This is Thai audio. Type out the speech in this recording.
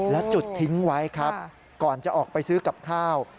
และจุดทิ้งไว้ครับก่อนจะออกไปซื้อกับข้าว